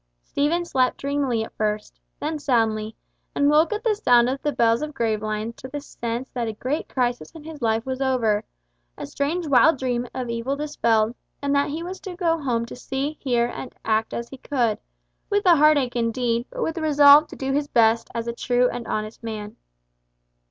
Stephen slept dreamily at first, then soundly, and woke at the sound of the bells of Gravelines to the sense that a great crisis in his life was over, a strange wild dream of evil dispelled, and that he was to go home to see, hear, and act as he could, with a heartache indeed, but with the resolve to do his best as a true and honest man.